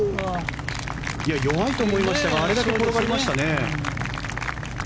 弱いと思いましたがあれだけ転がりましたね。